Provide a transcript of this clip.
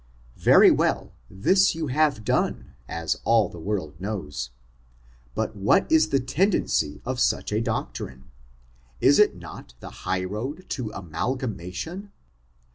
Very well, this you have done, as all the world knows. But what is the tendency of such a doc* trine ? Is it not the high road to amalgamation?